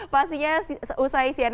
pastinya usai situasi